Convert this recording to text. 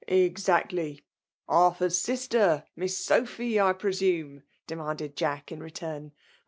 Exactly !* Arthur's sister. Miss Sophy, I presume ?" demanded Jack, in return.